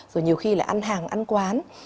rồi nhiều khi là ăn hàng ăn quán